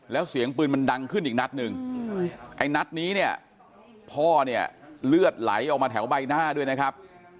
แล้วเสียงปืนมันดังขึ้นอีกนัดหนึ่งไอ้นัดนี้เนี่ยพ่อเนี่ยเลือดไหลออกมาแถวใบหน้าด้วยนะครับ